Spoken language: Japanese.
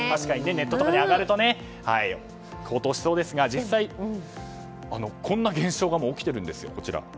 ネットとかに上がると高騰しそうですが実際、こんな現象が起きているんです。